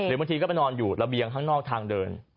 บางทีก็ไปนอนอยู่ระเบียงข้างนอกทางเดิน